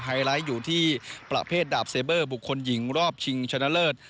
ไลท์อยู่ที่ประเภทดาบเซเบอร์บุคคลหญิงรอบชิงชนะเลิศ